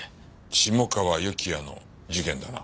下川由紀哉の事件だな？